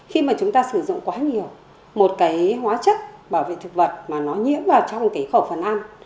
khi mà chúng ta sử dụng quá nhiều một cái hóa chất bảo vệ thực vật mà nó nhiễm vào trong cái khẩu phần ăn